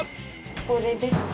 これですね。